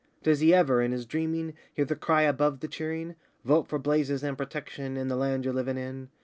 Does he ever, in his dreaming, hear the cry above the cheering: 'Vote for Blazes and Protection, and the land you're livin' in?